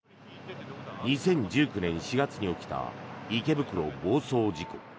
２０１９年４月に起きた池袋暴走事故。